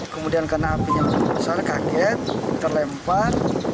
kemudian karena apinya cukup besar kaget terlempar